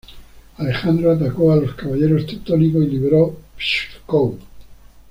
Alejandro atacó a los caballeros teutónicos y liberó Pskov.